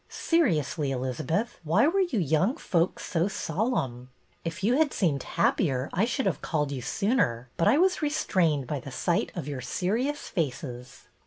" Seriously, Elizabeth, why were you young folks so solemn ? If you had seemed happier I should have called you sooner, but I was restrained by the sight of your serious faces."